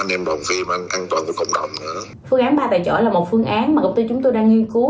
phương án ba tài trợ là một phương án mà công ty chúng tôi đang nghiên cứu